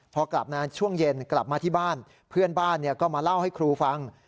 พอกลับมาช่วงเย็นกลับมาที่บ้านเพื่อนบ้านก็มาเล่าให้ครูฟัง